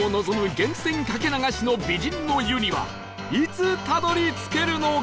源泉かけ流しの美人の湯にはいつたどり着けるのか？